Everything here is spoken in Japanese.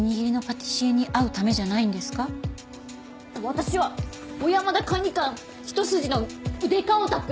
私は小山田管理官一筋のデカオタク。